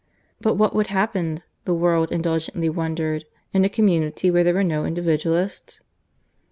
But what would happen, the world indulgently wondered, in a community where there were no Individualists?